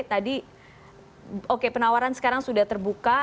tadi oke penawaran sekarang sudah terbuka